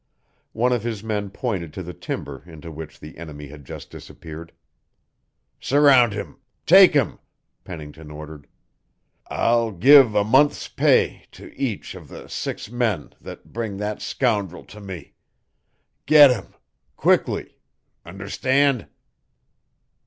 One of his men pointed to the timber into which the enemy had just disappeared. "Surround him take him," Pennington ordered. "I'll give a month's pay to each of the six men that bring that scoundrel to me. Get him quickly! Understand?"